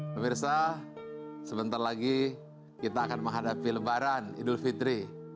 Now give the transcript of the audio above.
pemirsa sebentar lagi kita akan menghadapi lebaran idul fitri